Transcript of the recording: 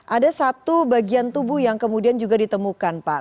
ada satu bagian tubuh yang kemudian juga ditemukan pak